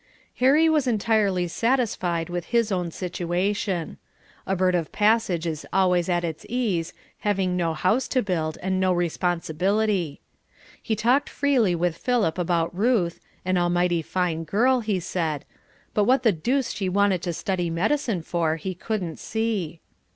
Harry was entirely satisfied with his own situation. A bird of passage is always at its ease, having no house to build, and no responsibility. He talked freely with Philip about Ruth, an almighty fine girl, he said, but what the deuce she wanted to study medicine for, he couldn't see.